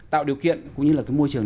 tạo điều kiện cũng như là cái môi trường